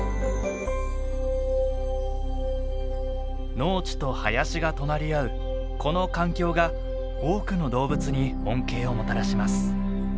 農地と林が隣り合うこの環境が多くの動物に恩恵をもたらします。